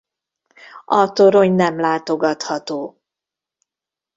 A torony nem látogatható.